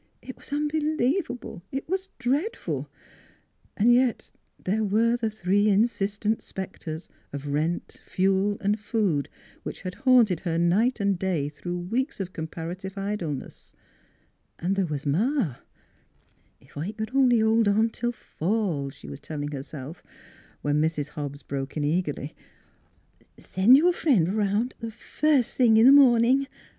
It was unbeliev able ! It was dreadful ! And yet there were the three insistent specters of rent, fuel, and food which had haunted her night and day through weeks of comparative idleness. And there was Ma! 36 NEIGHBORS " Ef I c'd only hold on till fall," she was telling herself, when Mrs. Hobbs broke in eagerly: " Send your friend around the first thing in the morning.